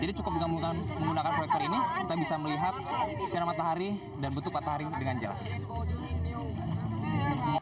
jadi cukup dengan menggunakan proyektor ini kita bisa melihat sinar matahari dan bentuk matahari dengan jelas